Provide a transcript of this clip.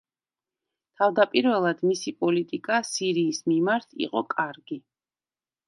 თავდაპირველად მისი პოლიტიკა სირიის მიმართ იყო კარგი.